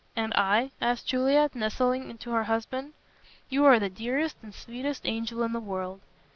"And I?" asked Juliet, nestling to her husband. "You are the dearest and sweetest angel in the world."